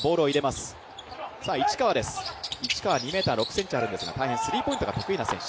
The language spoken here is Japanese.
市川は２ｍ６ｃｍあるんですが、スリーポイントが大変得意な選手。